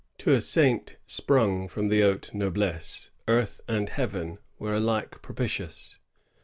To a saint sprung from the hatUe noblesse^ Earth and Heaven were alike propitious.